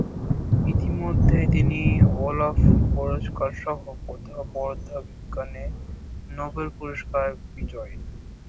ইতোমধ্যেই তিনি ওল্ফ পুরস্কারসহ পদার্থবিজ্ঞানে নোবেল পুরস্কার বিজয়ী।